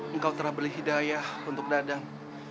engkau telah beri hidayah untuk dadang